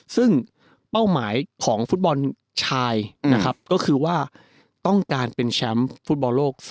ซึ่งเป้าหมายของฟุตบอลชายนะครับก็คือว่าต้องการเป็นแชมป์ฟุตบอลโลก๒๐